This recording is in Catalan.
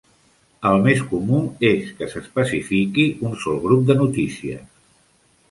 El més comú és que s'especifiqui un sol grup de notícies.